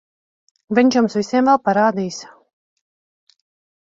Viņš jums visiem vēl parādīs...